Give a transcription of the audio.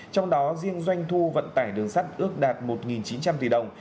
trong đó riêng doanh thu vận tải đường sắt ước đạt một chín trăm linh tỷ đồng